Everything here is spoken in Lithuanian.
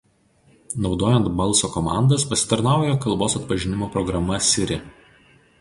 Naudojant balso komandas pasitarnauja kalbos atpažinimo programa Siri.